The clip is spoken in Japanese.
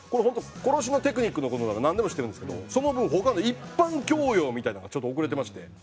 本当殺しのテクニックの事ならなんでも知ってるんですけどその分他の一般教養みたいなのがちょっと遅れてまして。